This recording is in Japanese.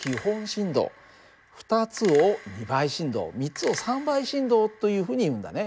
振動２つを２倍振動３つを３倍振動というふうにいうんだね。